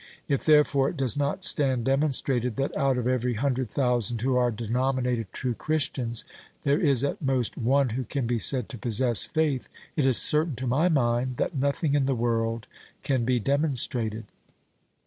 If, therefore, it does not stand demonstrated that out of every hundred thousand who are denominated true Christians there is at most one who can be said to possess faith, it is certain to my mind that nothing in the world can be demonstrated.